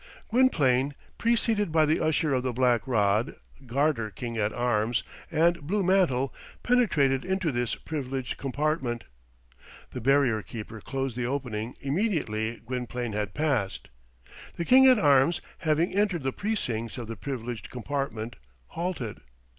Gwynplaine, preceded by the Usher of the Black Rod, Garter King at Arms, and Blue Mantle, penetrated into this privileged compartment. The barrier keeper closed the opening immediately Gwynplaine had passed. The King at Arms, having entered the precincts of the privileged compartment, halted.